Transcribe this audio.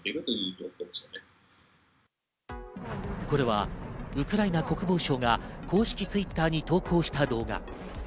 これはウクライナ国防省が公式Ｔｗｉｔｔｅｒに投稿した動画。